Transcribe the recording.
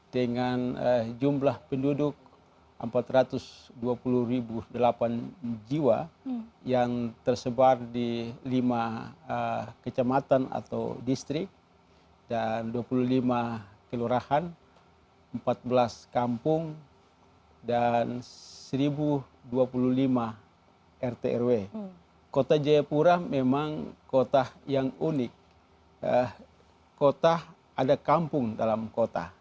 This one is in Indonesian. di bagian timur ya pak